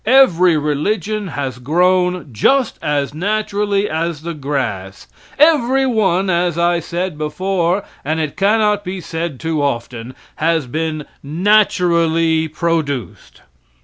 Every religion has grown just as naturally as the grass; every one, as I said before, and it cannot be said too often, has been naturally produced.